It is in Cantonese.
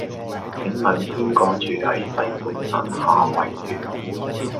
請問邊個住喺西半山夏蕙苑